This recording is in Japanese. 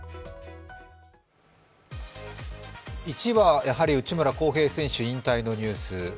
１位はやはり内村航平選手引退のニュース。